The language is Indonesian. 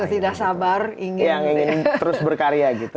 yang sudah tidak sabar ingin terus berkarya gitu